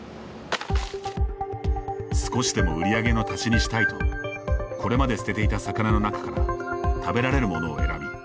少しでも売り上げの足しにしたいとこれまで捨てていた魚の中から食べられるものを選び